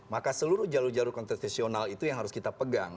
maka seluruh jalur jalur konstitusional itu yang harus kita pegang